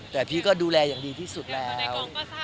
แต่พี่ก็ดูแลอย่างดีที่สุดแล้ว